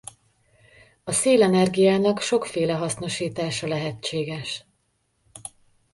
A szélenergiának sokféle hasznosítása lehetséges.